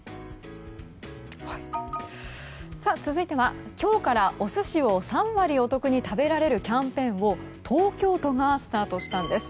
続いては、今日からお寿司を３割お得に食べられるキャンペーンを東京都がスタートしたんです。